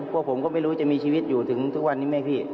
พวกผมก็ไม่รู้จะมีชีวิตอยู่ถึงทุกวันนี้ไหมพี่